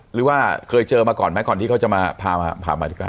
หรือว่าเคยเจอมาก่อนไหมก่อนที่เขาจะมาพามาธิการ